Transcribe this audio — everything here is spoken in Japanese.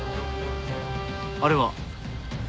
あれは？